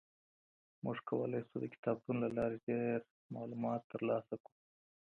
موږ کولای شو د کتابتون له لاري ډېر معلومات ترلاسه کړو.